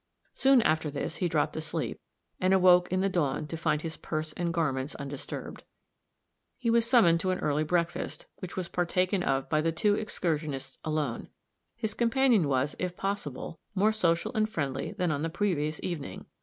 Soon after this he dropped asleep, and awoke in the dawn to find his purse and garments undisturbed. He was summoned to an early breakfast, which was partaken of by the two excursionists alone; his companion was, if possible, more social and friendly than on the previous evening.